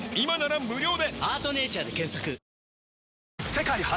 世界初！